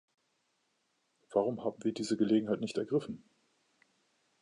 Warum haben wir diese Gelegenheit nicht ergriffen?